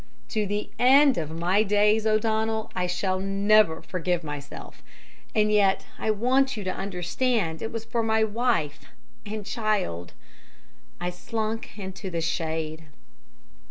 "(To the end of my days, O'Donnell, I shall never forgive myself, and yet I want you to understand it was for my wife and child.) I slunk into the shade.